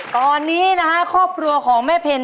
ตอนนี้นะฮะครอบครัวของแม่เพ็ญ